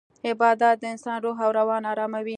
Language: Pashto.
عبادت د انسان روح او روان اراموي.